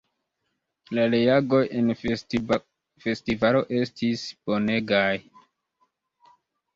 La reagoj en festivalo estis bonegaj!